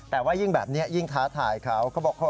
แต่ว่ายิ่งแบบนี้ยิ่งท้าทายเขา